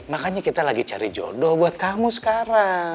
makanya kita lagi cari jodoh buat kamu sekarang